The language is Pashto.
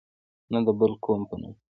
نه د بل قوم په نوم.